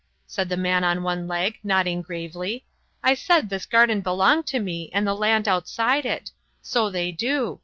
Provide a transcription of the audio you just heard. said the man on one leg, nodding gravely. "I said this garden belonged to me and the land outside it. So they do.